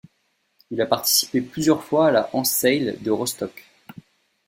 Il a participé plusieurs fois à la Hanse Sail de Rostock.